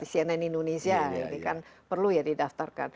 cnn indonesia ini kan perlu ya didaftarkan